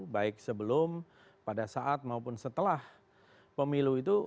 baik sebelum pada saat maupun setelah pemilu itu